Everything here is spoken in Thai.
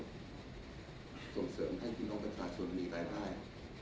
ส่งเสริมให้คุณองค์ประชาชนมีรายล่าย